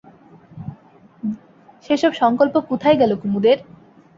সেসব সংকল্প কোথায় গেল কুমুদের?